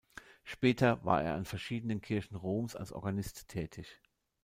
Später war er an verschiedenen Kirchen Roms als Organist tätig.